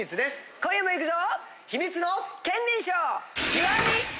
今夜も行くぞ！